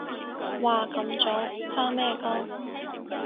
哇咁早？返咩工？